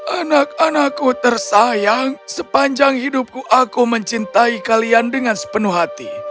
anak anakku tersayang sepanjang hidupku aku mencintai kalian dengan sepenuh hati